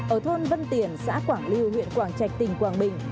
ở thôn vân tiền xã quảng lưu huyện quảng trạch tỉnh quảng bình